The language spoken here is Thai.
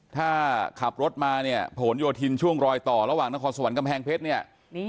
ถ้าขับรถมาพลอยโทีนช่วงรอยต่อระหว่างนครสวรรค์กำแพงเพชร